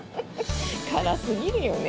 辛すぎるよね。